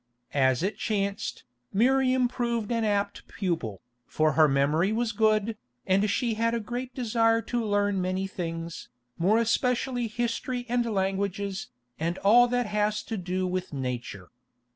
As it chanced, Miriam proved an apt pupil, for her memory was good, and she had a great desire to learn many things, more especially history and languages, and all that has to do with nature.